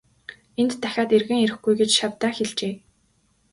Энд дахиад эргэн ирэхгүй гэж шавьдаа хэлжээ.